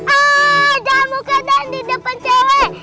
aah jalan muka jangan di depan cewek